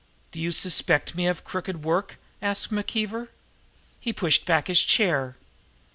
"Do you suspect me of crooked work?" asked McKeever. He pushed back his chair.